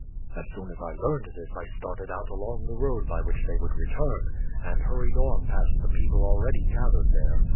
"As soon as I learned this I started out along the road by which they would return, and hurried on past the people already gathered there.